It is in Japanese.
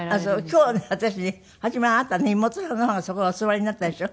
今日ね私初めあなたね妹さんの方がそこお座りになったでしょ？